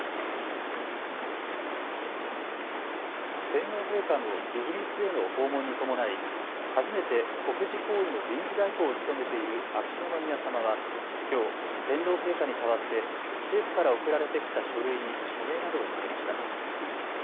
天皇陛下のイギリスへの訪問に伴い、初めて国事行為の臨時代行を務めている秋篠宮さまはきょう天皇陛下に代わって政府から送られてきた書類に署名などをされました。